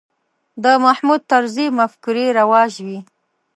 د محمود طرزي مفکورې رواج وې.